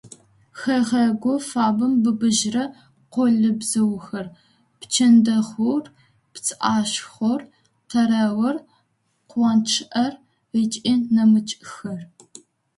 Хэгъэгу фабэм быбыжьрэ къолэбзыухэр: пчэндэхъур, пцӏашхъор, къэрэур, къуанчӏэр ыкӏи нэмыкӏхэр.